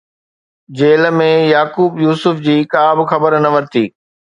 jail ۾، Yaqoob Yousuf جي ڪا خبر نه ورتي